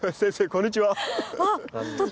こんにちは。